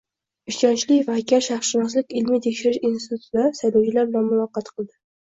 Ishonchli vakil Sharqshunoslik ilmiy-tekshirish institutida saylovchilar bilan muloqot qildi